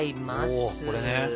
おこれね。